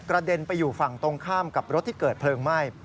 กระเด็นไปอยู่ฝั่งตรงข้ามกับรถที่